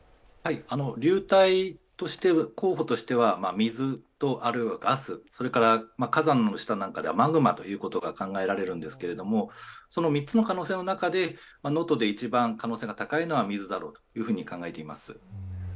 流体として候補としては水ともうひとつ、それから火山の下なんかではマグマなんてことが考えられるんですが能登で一番可能性が高いのは水だろうと考えています。